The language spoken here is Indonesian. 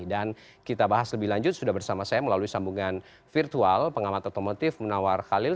dan kita bahas lebih lanjut sudah bersama saya melalui sambungan virtual pengamat otomotif munawar khalil